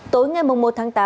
tối ngày một tháng tám